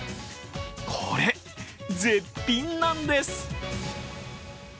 これ、絶品なんです。